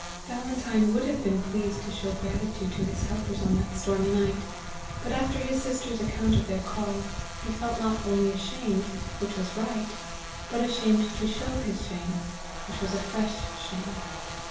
Valentine would have been pleased to show gratitude to his helpers on that stormy night, but after his sisters' account of their call, he felt not only ashamed, which was right, but ashamed to show his shame, which was a fresh shame.